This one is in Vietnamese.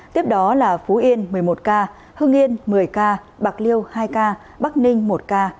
tiếp đó là phú yên một mươi một ca hưng yên một mươi ca bạc liêu hai ca bắc ninh một ca